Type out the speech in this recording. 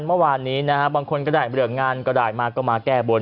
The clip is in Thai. เมื่อวานนี้นะฮะบางคนก็ได้เรื่องงานก็ได้มาก็มาแก้บน